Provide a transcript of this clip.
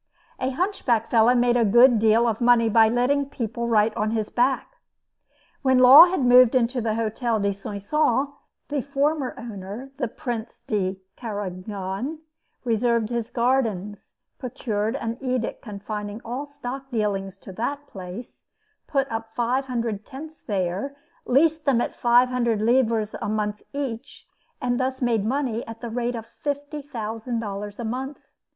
A hunchback fellow made a good deal of money by letting people write on his back. When Law had moved into the Hotel de Soissons, the former owner, the Prince de Carignan, reserved the gardens, procured an edict confining all stock dealings to that place; put up five hundred tents there, leased them at five hundred livres a month each, and thus made money at the rate of $50,000 a month.